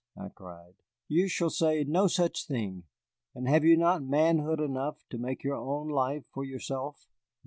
I cried; "you shall say no such thing. And have you not manhood enough to make your own life for yourself?"